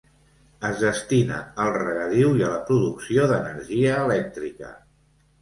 Es destina al regadiu i a la producció d'energia elèctrica.